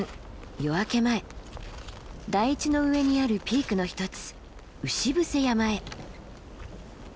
夜明け前台地の上にあるピークの一つ牛伏山へ。